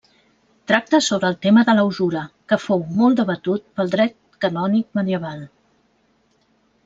Tracta sobre el tema de la usura, que fou molt debatut pel Dret Canònic medieval.